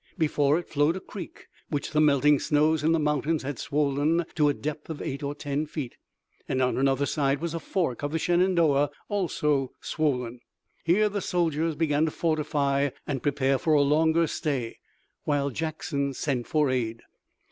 Before it flowed a creek which the melting snows in the mountains had swollen to a depth of eight or ten feet, and on another side was a fork of the Shenandoah, also swollen. Here the soldiers began to fortify and prepare for a longer stay while Jackson sent for aid.